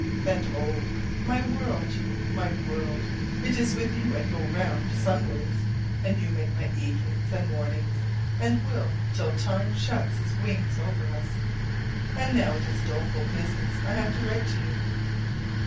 And oh, my world, my world, it is with you I go round sunwards, and you make my evenings and mornings, and will, till Time shuts his wings over us! And now it is doleful business I have to write to you....